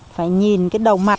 phải nhìn cái đầu mặt